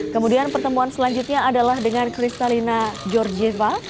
kemudian pertemuan selanjutnya adalah dengan kristalina georgieva